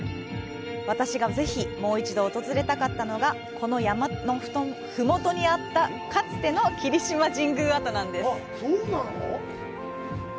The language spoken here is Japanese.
私が、ぜひもう一度訪れたかったのがこの山のふもとにあったかつての霧島神宮跡なんです。